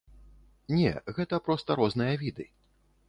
Не, гэта проста розныя віды.